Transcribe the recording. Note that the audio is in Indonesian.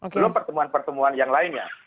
belum pertemuan pertemuan yang lainnya